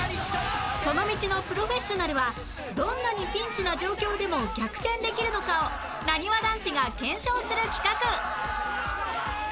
その道のプロフェッショナルはどんなにピンチな状況でも逆転できるのかをなにわ男子が検証する企画